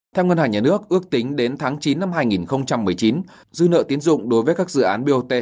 theo ngân hàng nhà nước ước tính đến tháng chín năm hai nghìn một mươi chín dư nợ tiến dụng đối với các dự án bot